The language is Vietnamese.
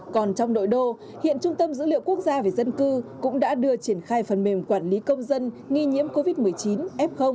còn trong nội đô hiện trung tâm dữ liệu quốc gia về dân cư cũng đã đưa triển khai phần mềm quản lý công dân nghi nhiễm covid một mươi chín f